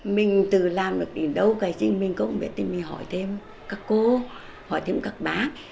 mình từ làm được đến đâu cái gì mình có công việc thì mình hỏi thêm các cô hỏi thêm các bác